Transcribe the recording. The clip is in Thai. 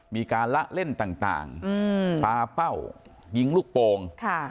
มีการละเล่นต่างพาเป้ายิงลูกโป่ง